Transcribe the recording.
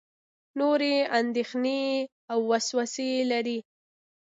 نورې اندېښنې او وسوسې لري.